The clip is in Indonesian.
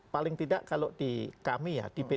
paling tidak kalau di kami ya di p tiga